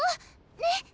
ねっ？